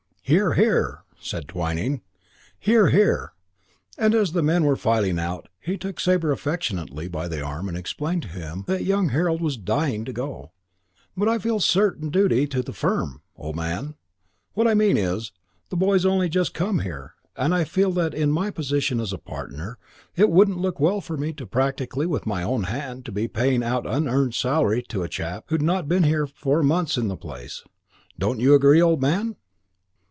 "Hear, hear!" said Twyning. "Hear, hear!" and as the men were filing out he took Sabre affectionately by the arm and explained to him that young Harold was dying to go. "But I feel a certain duty is due to the firm, old man. What I mean is, that the boy's only just come here and I feel that in my position as a partner it wouldn't look well for me practically with my own hand to be paying out unearned salary to a chap who'd not been four months in the place. Don't you agree, old man?"